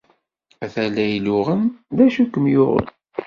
A tala iluɣen, d acu kem-yuɣen?